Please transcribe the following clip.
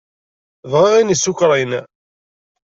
Bɣiɣ ayen isukṛin.